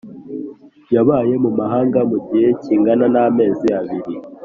yabaye mu mahanga mu gihe kingana n amezi abiri